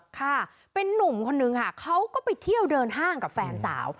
ค่ะเป็นนุ่มคนนึงค่ะเขาก็ไปเที่ยวเดินห้างกับแฟนสาว